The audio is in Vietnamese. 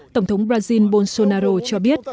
tổng thống brazil bolsonaro cho biết